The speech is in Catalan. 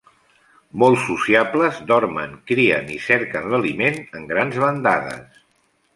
Molt sociables, dormen, crien i cerquen l'aliment en grans bandades.